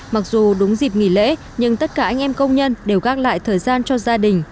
mặc dù đúng dịp nghỉ lễ nhưng tất cả anh em công nhân đều gác lại thời gian cho gia đình